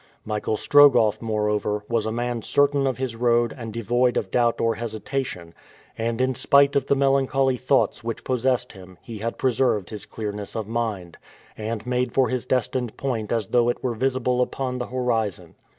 Michael Strogoff, moreover, was a man certain of his road and devoid of doubt or hesitation, and in spite of the melancholy thoughts which possessed him he had preserved his clearness of mind, and made for his destined point as though it were visible upon the horizon.